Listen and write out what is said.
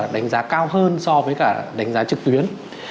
đánh giá cao hơn so với cả đánh giá trực tuyến